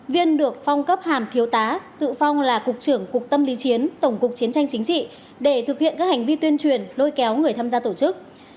viên được phong cấp hàm thiếu tá tự phong là cục trưởng cục tâm lý chiến tổng cục chiến tranh chính trị để thực hiện các hành vi tuyên truyền lôi kéo người tham gia tổ chức